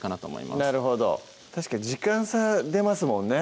なるほど確かに時間差出ますもんね